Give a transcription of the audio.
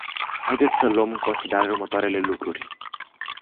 Haideți să luăm în considerare următoarele lucruri.